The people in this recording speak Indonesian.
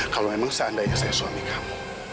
kalau memang seandainya saya suami kamu